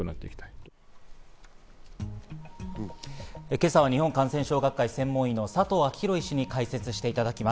今朝は日本感染症学会専門医の佐藤昭裕医師に解説していただきます。